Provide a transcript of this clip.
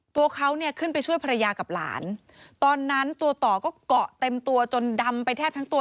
ตัวเขาเนี่ยขึ้นไปช่วยภรรยากับหลานตอนนั้นตัวต่อก็เกาะเต็มตัวจนดำไปแทบทั้งตัว